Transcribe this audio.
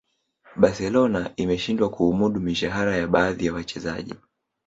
barcelona imeshindwa kuumudu mishahara ya baadhi ya wachezaji